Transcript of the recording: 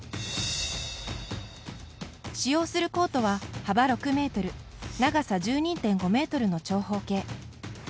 使用するコートは、幅６ｍ長さ１２．５ｍの長方形。